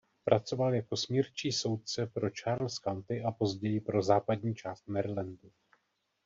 Pracoval jako smírčí soudce pro Charles County a později pro západní část Marylandu.